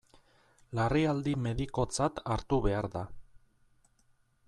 Larrialdi medikotzat hartu behar da.